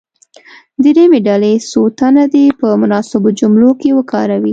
دریمې ډلې څو تنه دې په مناسبو جملو کې وکاروي.